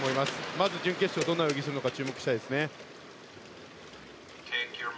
まず準決勝どんな泳ぎをするのか注目したいですね。